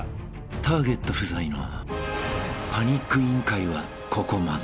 ［ターゲット不在のパニック『委員会』はここまで］